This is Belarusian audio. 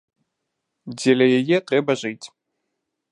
Дзеля яе трэба жыць.